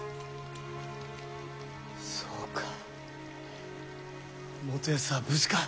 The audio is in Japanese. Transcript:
そうか元康は無事か。